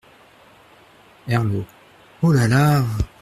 Herlaut. — Oh ! là ! là !